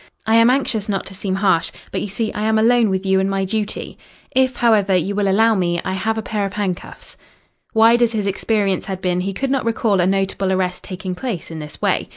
"I am anxious not to seem harsh, but you see I am alone with you and my duty.... If, however, you will allow me, I have a pair of handcuffs." Wide as his experience had been he could not recall a notable arrest taking place in this way.